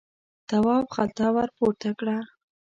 تواب خلته ور پورته کړه.